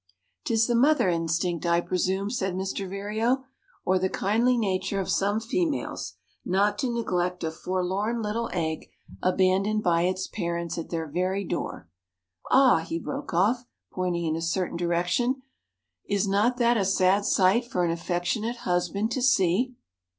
"'Tis the mother instinct, I presume," said Mr. Vireo, "or the kindly nature of some females, not to neglect a forlorn little egg abandoned by its parents at their very door. Ah," he broke off, pointing in a certain direction, "is not that a sad sight for an affectionate husband to see?"